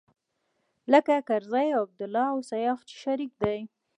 لکه کرزی او عبدالله او سياف چې شريک دی.